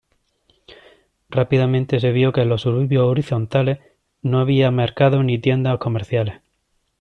Rápidamente se vio que en los suburbios horizontales, no había mercados ni tiendas comerciales.